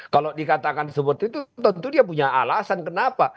kalau dikatakan seperti itu tentu dia punya alasan kenapa